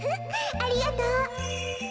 ありがとう。